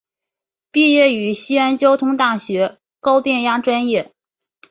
毕业于西安交通大学高电压专业。